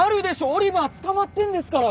オリバー捕まってるんですから！